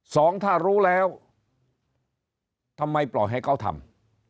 สองถ้ารู้แล้วทำไมปล่อยให้เขาทำ